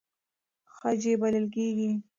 خج یې بلل کېږي.